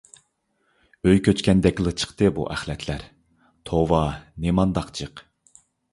ئۆي كۆچكەندەكلا چىقتى بۇ ئەخلەتلەر. توۋا نېمانداق جىق!